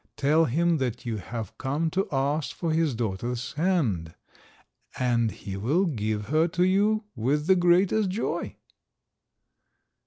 Tell him that you have come to ask for his daughter's hand, and he will give her to you with the greatest joy."